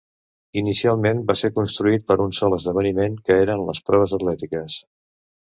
Inicialment va ser construït per a un sol esdeveniment que eren les proves atlètiques.